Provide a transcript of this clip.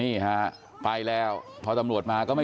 เดี๋ยวให้กลางกินขนม